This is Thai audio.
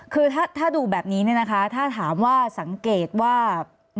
คือถ้าดูแบบนี้ถ้าถามว่าสังเกตว่า